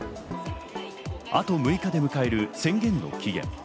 あと６日で迎える宣言の期限。